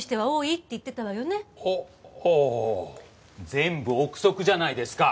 全部臆測じゃないですか。